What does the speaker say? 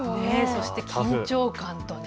そして緊張感とね。